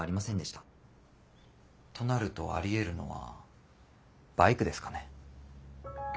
となるとありえるのはバイクですかね。